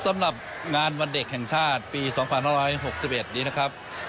สำหรับงานวันเด็กแห่งชาติปี๒๕๖๑นี้นะครับ